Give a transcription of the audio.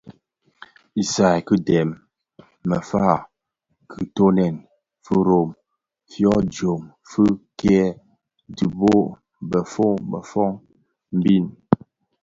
Isaï ki dèm, mëwa; kitoňèn, firob fidyom fi kè dhibo bëfœug befog mbiň,